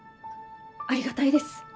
ありがたいです。